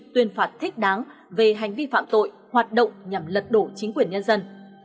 tuyên phạt thích đáng về hành vi phạm tội hoạt động nhằm lật đổ chính quyền nhân dân